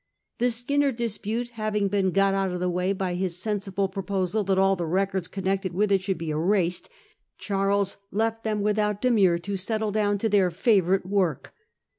The Skinner dispute having been got out of the way by his sensible proposal that all the records connected with it should be erased, Charles left them without demur to settle down to their favourite work.